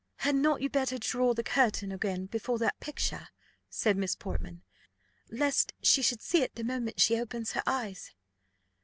"Had not you better draw the curtain again before that picture," said Miss Portman, "lest she should see it the moment she opens her eyes?"